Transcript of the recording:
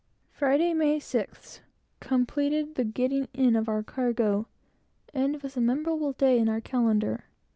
Friday, May 6th, completed the taking of our cargo, and was a memorable day in our calendar.